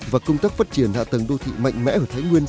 và công tác phát triển hạ tầng đô thị mạnh mẽ ở thái nguyên